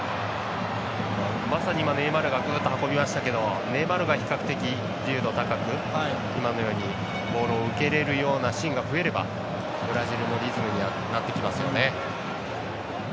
まさにネイマールがぐっと運びましたけどネイマールが比較的、自由度高くボールを受けられるようなシーンが増えればブラジルのリズムになってきます。